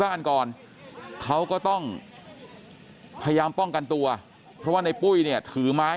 บ้านก่อนเขาก็ต้องพยายามป้องกันตัวเพราะว่าในปุ้ยเนี่ยถือไม้